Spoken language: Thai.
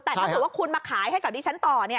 แต่ถ้าเกิดว่าคุณมาขายให้กับดิฉันต่อ